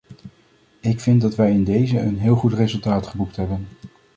Ik vind dat wij in dezen een heel goed resultaat geboekt hebben.